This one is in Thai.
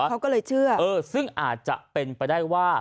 เขาก็เลยเชื่อเออซึ่งอาจจะเป็นไปได้ว่า